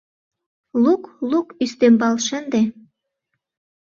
Лук, лук, ӱстембал шынде.